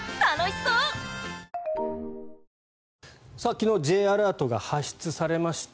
昨日Ｊアラートが発出されました。